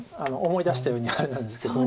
思い出したようにあれなんですけど。